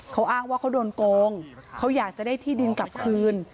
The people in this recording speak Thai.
เขาอ้างว่าเขาโดนโกงเขาอยากจะได้ที่ดินกลับคืน